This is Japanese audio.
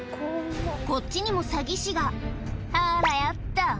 こっちにも詐欺師が「あらよっと」